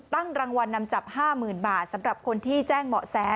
รางวัลนำจับ๕๐๐๐บาทสำหรับคนที่แจ้งเบาะแส